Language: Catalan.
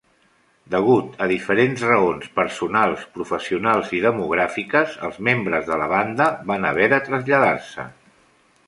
Degut a diferents raons personals, professionals i demogràfiques, els membres de la banda van haver de traslladar-se.